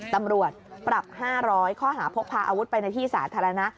ตำรวจปรับ๕๐๐ข้อหาพกพาอาวุธไปในที่สาธารณะ